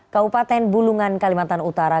kabupaten bulungan kalimantan utara